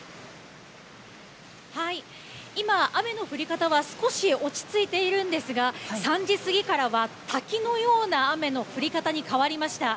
今、雨の降り方は少し落ち着いているんですが、３時過ぎからは滝のような雨の降り方に変わりました。